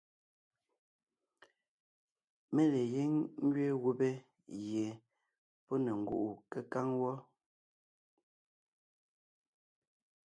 Mé le gíŋ ngẅeen gubé gie pɔ́ ne ngúʼu kékáŋ wɔ́.